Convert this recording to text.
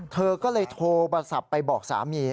เธอก็เลยโทรศัพท์ไปบอกสามี